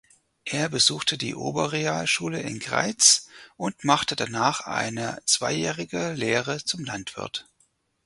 Er besuchte die Oberrealschule in Greiz und machte danach eine zweijährige Lehre zum Landwirt.